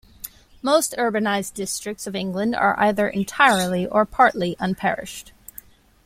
Most urbanised districts of England are either entirely or partly unparished.